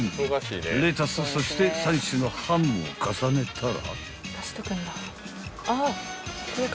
［レタスそして３種のハムを重ねたら］